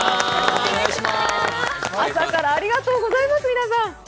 朝からありがとうございます、皆さん。